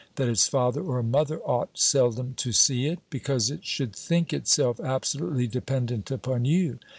That its father or mother ought seldom to see it; because it should think itself absolutely dependent upon you?